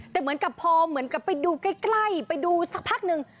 แต่เหมือนกับพอเหมือนกับไปดูใกล้ไปดูสักพักหนึ่ง